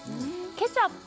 ケチャップ